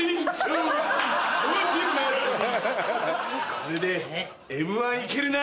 これで『Ｍ−１』いけるな。